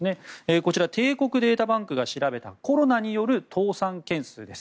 こちら帝国データバンクが調べたコロナによる倒産件数です。